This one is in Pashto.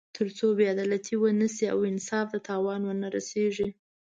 تر څو بې عدالتي ونه شي او انصاف ته تاوان ونه رسېږي.